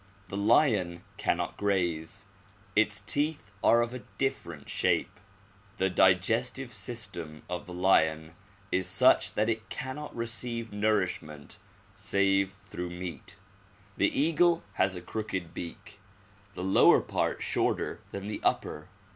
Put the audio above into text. The lion cannot graze ; its teeth are of different shape. The digestive system of the lion is such that it cannot receive nourishment save through meat. The eagle has a crooked beak; the lower part shorter than the upper.